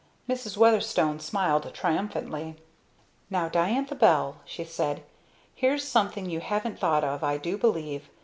Mrs. Weatherstone smiled triumphantly. "Now, Diantha Bell," she said, "here's something you haven't thought of, I do believe!